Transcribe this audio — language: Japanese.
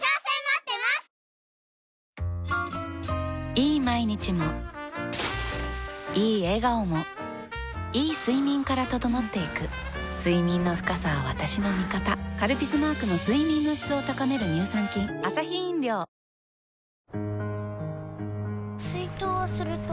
いい毎日もいい笑顔もいい睡眠から整っていく睡眠の深さは私の味方「カルピス」マークの睡眠の質を高める乳酸菌ワン・ツー・スリー！